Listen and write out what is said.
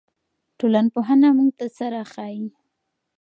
ټولنپوهنه موږ ته څه راښيي؟